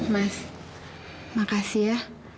mas makasih ya